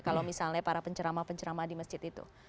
kalau misalnya para penceramah penceramah di masjid itu